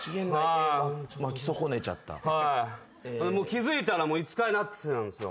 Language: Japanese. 気付いたらもう５日になってたんすよ。